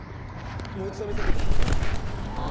もう一度見せてくれあ